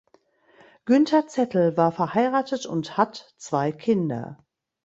Günther Zettel war verheiratet und hat zwei Kinder.